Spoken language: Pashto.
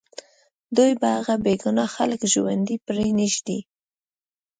دوی به هغه بې ګناه خلک ژوندي پرېنږدي